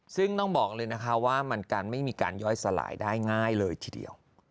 ซึ่งต้องบอกเลยนะคะว่ามันการไม่มีการย่อยสลายได้ง่ายเลยทีเดียว